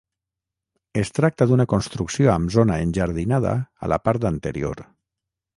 Es tracta d'una construcció amb zona enjardinada a la part anterior.